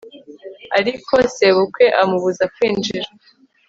ariko sebukwe amubuza kwinjira